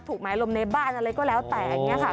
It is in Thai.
หมายลมในบ้านอะไรก็แล้วแต่อย่างนี้ค่ะ